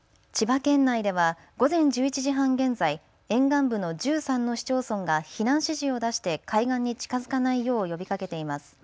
千葉県内では午前１１時半現在、沿岸部の１３の市町村が避難指示を出して海岸に近づかないよう呼びかけています。